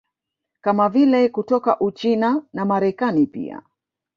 Kama vile kutoka Uchina na Marekani pia